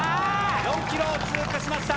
４ｋｍを通過しました。